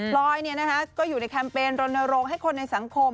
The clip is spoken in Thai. ลอยก็อยู่ในแคมเปญรณรงค์ให้คนในสังคม